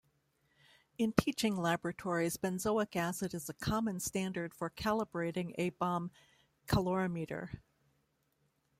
In teaching laboratories, benzoic acid is a common standard for calibrating a bomb calorimeter.